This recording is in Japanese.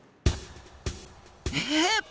えっ！？